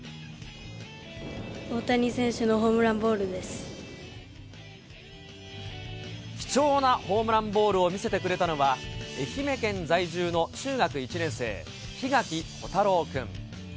大谷選手のホームランボール貴重なホームランボールを見せてくれたのは、愛媛県在住の中学１年生、檜垣虎太郎君。